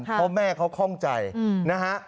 เพราะแม่เขาคล่องใจนะฮะ